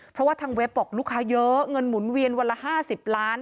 เพราะว่าทางเว็บบอกลูกค้าเยอะเงินหมุนเวียนวันละ๕๐ล้าน